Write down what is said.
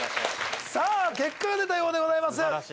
さぁ結果が出たようでございます。